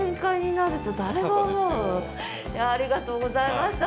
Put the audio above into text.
いやぁありがとうございました